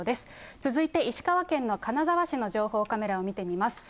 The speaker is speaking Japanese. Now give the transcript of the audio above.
続いて石川県の金沢市の情報カメラを見てみます。